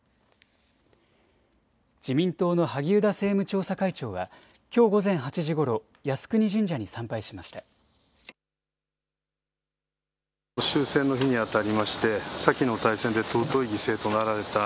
自民党の萩生田政務調査会長はきょう午前８時ごろ靖国神社に参拝しました。